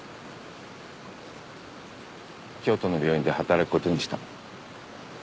京都の病院で働くことにした。